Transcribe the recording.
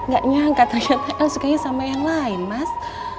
gak nyangka ternyata el sukanya sama yang lain mas